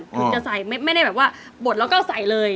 คือจะใส่ไม่ได้แบบว่าบดแล้วก็ใส่เลย